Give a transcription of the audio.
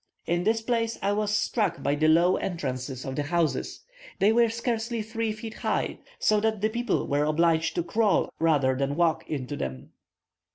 In this place, I was struck by the low entrances of the houses; they were scarcely three feet high, so that the people were obliged to crawl rather than walk into them.